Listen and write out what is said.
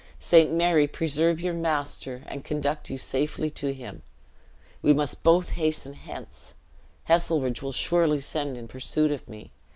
Saint Mary preserve your master and conduct you safely to him. We must both hasten hence. Heselrigge will surely send in pursuit of me.